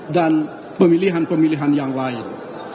dan pemilihan pemilihan yang lain